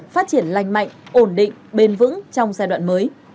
phát triển lành mạnh ổn định bền vững trong giai đoạn mới